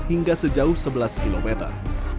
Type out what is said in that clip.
hingga sejauh sebelas kilometer